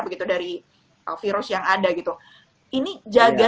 cow sekitar dang rim tiada begitu dari virus nyam lolong virtue warang itu ini jaga